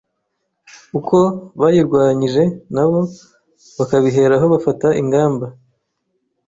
uko bayirwanyije nabo bakabiheraho bafata ingamba